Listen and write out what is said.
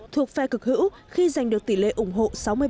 thuộc phe cực hữu khi giành được tỷ lệ ủng hộ sáu mươi